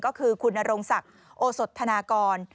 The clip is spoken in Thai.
ก็คือคุณนรงศักดิ์โอสดธนากร